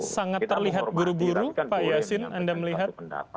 sangat terlihat buru buru pak yasin anda melihat